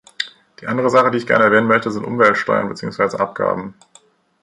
Die andere Sache, die ich gerne erwähnen möchte, sind Umweltsteuern beziehungsweise -abgaben.